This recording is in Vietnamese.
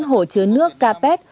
hồ chứa nước capet